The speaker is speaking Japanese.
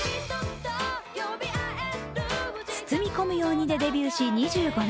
「つつみ込むように．．．」でデビューし、２５年。